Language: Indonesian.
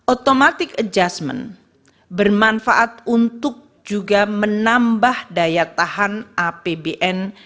automatic adjustment bermanfaat untuk juga menambah daya tahan apbn